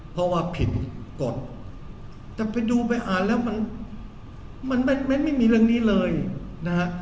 เพราะว่าผิดกฎแต่ไปดูไปอ่านแล้วมันไม่มีเรื่องนี้เลยนะฮะ